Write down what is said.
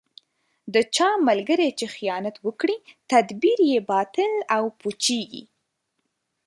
د چا ملګری چې خیانت وکړي، تدبیر یې باطل او پوچېـږي.